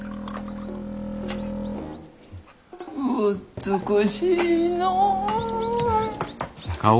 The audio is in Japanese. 美しいのう。